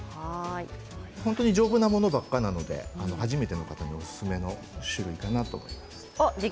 本当に丈夫なものばかりなので初めての方にもおすすめの種類だと思います。